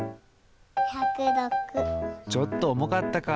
ちょっとおもかったか。